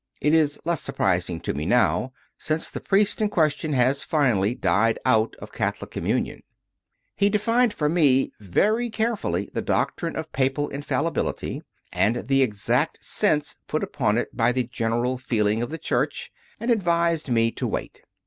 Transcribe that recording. It is less surprising to me now, since the priest in ques tion has, finally, died out of Catholic communion. He defined for me very carefully the doctrine of Papal Infallibility and the exact sense put upon it by the general feeling of the Church and advised me to wait.